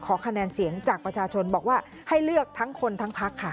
คะแนนเสียงจากประชาชนบอกว่าให้เลือกทั้งคนทั้งพักค่ะ